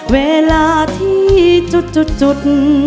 เวลาที่จดจดจด